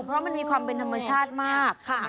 เพราะมันมีความเป็นธรรมชาติมาก